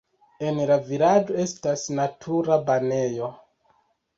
En la vilaĝo estas natura banejo.